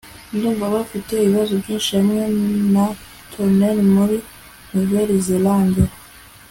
ndumva bafite ibibazo byinshi hamwe na tunel muri nouvelle-zélande